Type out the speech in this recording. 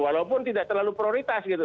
walaupun tidak terlalu prioritas gitu